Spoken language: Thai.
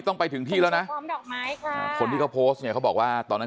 ต้องไปถึงที่แล้วนะคนที่เขาโพสต์เนี่ยเขาบอกว่าตอนนั้น